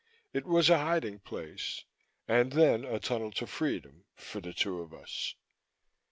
It was a hiding place, and then a tunnel to freedom, for the two of us.